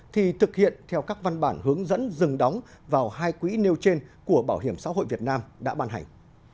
thì thực hiện theo các văn bản hướng dẫn dừng đóng vào hai quỹ nêu trên của bảo hiểm xã hội việt nam đã ban hành